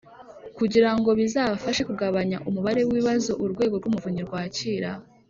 kugira ngo bizafashe kugabanya umubare w’ibibazo urwego rw’umuvunyi rwakira